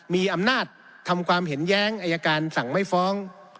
มีอำนาจทำความเห็นแย้งอายการสั่งไม่ฟ้อง